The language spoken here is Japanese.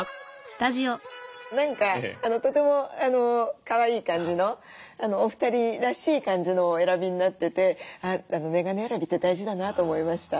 何かとてもかわいい感じのお二人らしい感じのをお選びになっててメガネ選びって大事だなと思いました。